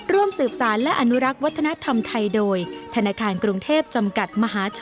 ร่วมสืบสารและอนุรักษ์วัฒนธรรมไทยโดยธนาคารกรุงเทพจำกัดมหาชน